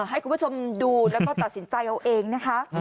ให้คุณผู้ชมดูแล้วก็ตัดสินใจเอาเองนะคะ